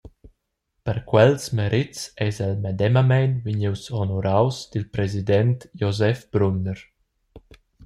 Per quels merets eis el medemamein vegnius honoraus dil president Josef Brunner.